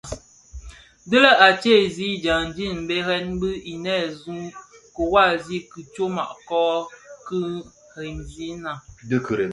Dhi lè a teezi dyaňdi mbèrèn bi inèsun kiwasi ki tyoma kö dhi kiremzèna.